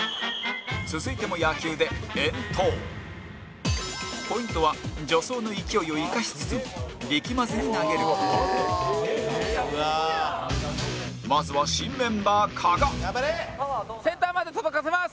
続いても野球で、遠投ポイントは助走の勢いを生かしつつも力まずに投げる事まずは、新メンバー、加賀センターまで届かせます！